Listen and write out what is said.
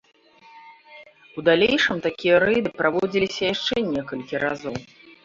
У далейшым такія рэйды праводзіліся яшчэ некалькі разоў.